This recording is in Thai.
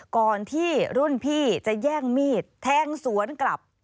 ก่อนที่รุ่นพี่จะแย่งมีดแทงสวนกลับ